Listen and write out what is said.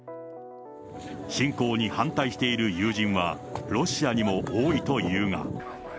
侵攻に反対している友人は、ロシアにも多いというが。